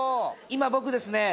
今僕ですね